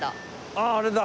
あああれだ！